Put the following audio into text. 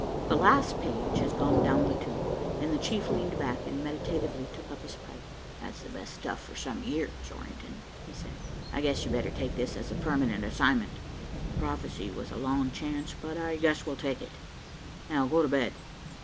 The last page had gone down the tube, and the chief leaned back and meditatively took up his pipe. "That's the best stuff for some years, Orrington," he said. "I guess you'd better take this as a permanent assignment. The prophecy was a long chance, but I guess we'll take it. Now go to bed."